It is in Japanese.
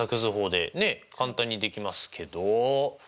簡単にできますけど２：１？